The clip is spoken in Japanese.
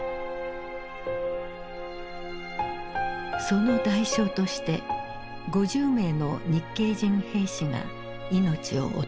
その代償として５０名の日系人兵士が命を落とした。